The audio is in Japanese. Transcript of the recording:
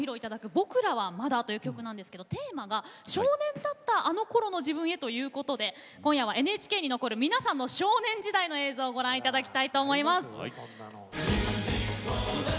「僕らはまだ」ですがこの曲のテーマは少年だったあのころの自分へということで今夜はＮＨＫに残る皆さんの少年時代の映像をご覧いただきましょう。